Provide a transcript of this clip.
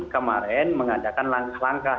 kemarin mengadakan langkah langkah